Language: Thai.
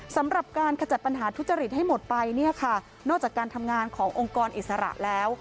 สำหรับการขจัดปัญหาทุจริตให้หมดไปเนี่ยค่ะนอกจากการทำงานขององค์กรอิสระแล้ว